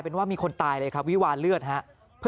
เป็นว่ามีคนตายเลยครับวิวาลเลือดครับ